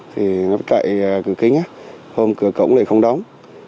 thì nó cậy cửa kính không cửa cổng lại không đóng